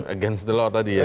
against the law tadi ya